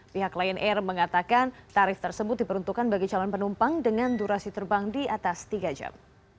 pihak lion air mengatakan tarif tersebut diperuntukkan bagi calon penumpang dengan durasi terbang di atas tiga jam